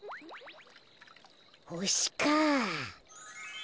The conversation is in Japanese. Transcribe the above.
ほしかあ。